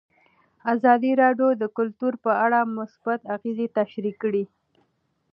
ازادي راډیو د کلتور په اړه مثبت اغېزې تشریح کړي.